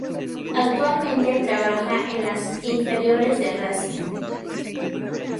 Actualmente trabaja en las inferiores de Racing.